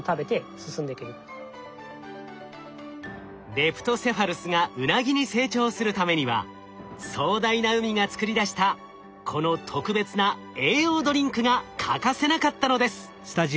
レプトセファルスがウナギに成長するためには壮大な海が作り出したこの特別な栄養ドリンクが欠かせなかったのです。